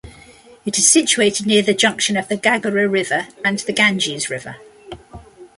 It is situated near the junction of the Ghaghara River and the Ganges River.